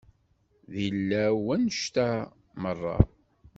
D ilaw wannect-a merra?